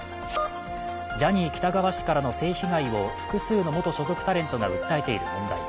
ジャニー喜多川氏からの性被害を複数の元所属タレントが訴えている問題。